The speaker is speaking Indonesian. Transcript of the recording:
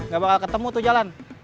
gak bakal ketemu tuh jalan